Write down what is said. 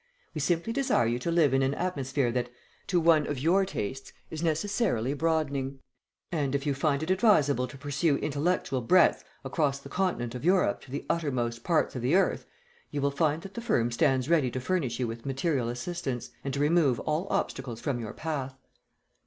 We simply desire you to live in an atmosphere that, to one of your tastes, is necessarily broadening, and if you find it advisable to pursue intellectual breadth across the continent of Europe to the uttermost parts of the earth, you will find that the firm stands ready to furnish you with material assistance, and to remove all obstacles from your path."